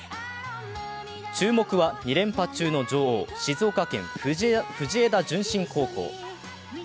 注目は２連覇中の女王、静岡県・藤枝順心高校。